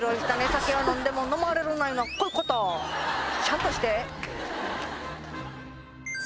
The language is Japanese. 酒は飲んでものまれるないうのはこういうことちゃんとして